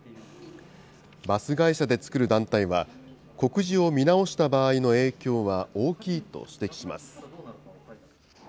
バス会社で作る団体は、告示を見直した場合の影響は大きいと指摘します。